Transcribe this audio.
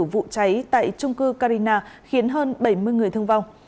vụ cháy tại trung cư carina khiến hơn bảy mươi người thương vong